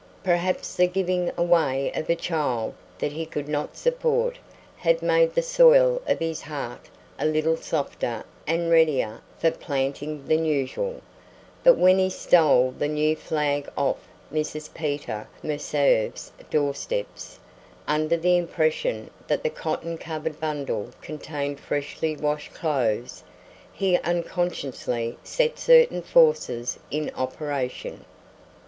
Perhaps the giving away of a child that he could not support had made the soil of his heart a little softer and readier for planting than usual; but when he stole the new flag off Mrs. Peter Meserve's doorsteps, under the impression that the cotton covered bundle contained freshly washed clothes, he unconsciously set certain forces in operation.